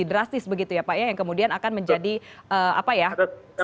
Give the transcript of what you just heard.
drastis begitu ya pak ya yang kemudian akan menjadi apa ya